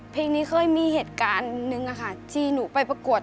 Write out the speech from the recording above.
เพลงนี้เคยมีเหตุการณ์หนึ่งค่ะที่หนูไปประกวด